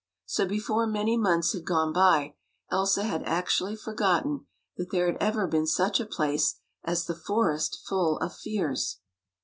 So before many months had gone by, Elsa had actually forgotten that there had ever been such a place as the Forest Full of Fears.